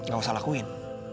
gak usah lakuin